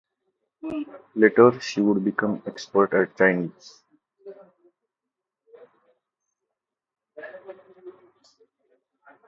Later, she would become expert at Chinese.